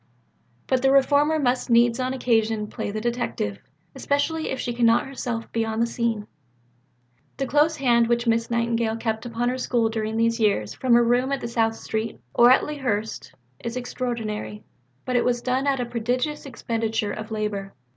But the reformer must needs on occasion play the detective especially if she cannot herself be on the scene. The close hand which Miss Nightingale kept upon her School during these years from her room in South Street or at Lea Hurst is extraordinary, but it was done at a prodigious expenditure of labour.